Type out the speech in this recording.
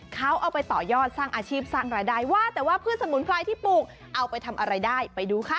เขาเอาไปต่อยอดสร้างอาชีพสร้างรายได้ว่าแต่ว่าพืชสมุนไพรที่ปลูกเอาไปทำอะไรได้ไปดูค่ะ